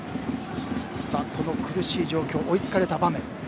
苦しい状況、追いつかれた場面